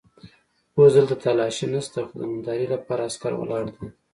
اوس دلته تالاشۍ نشته خو د نندارې لپاره عسکر ولاړ دي.